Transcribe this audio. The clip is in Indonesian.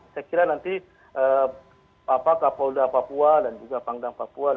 saya kira nanti pak kapolda papua dan juga pangdam papua